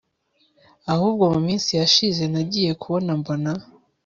ahubwo mu minsi yashize nagiye kubona mbona